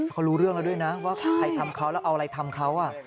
เขารู้เรื่องแล้วด้วยนะว่าใครทำเขาแล้วเอาอะไรทำเขา